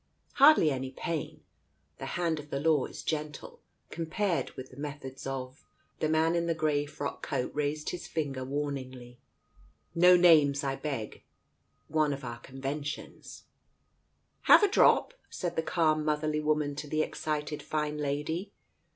Hardly any pain. The hand of the law is gentle, compared with the methods of " The man in the grey frock coat raised his finger warningly. "No names, I beg. One of our conven tions ...!"" Have a drop ?" said the calm motherly woman to the excited fine lady.